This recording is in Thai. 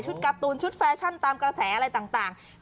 การ์ตูนชุดแฟชั่นตามกระแสอะไรต่าง